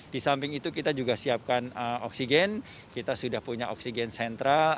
di samping itu kita juga siapkan oksigen kita sudah punya oksigen sentral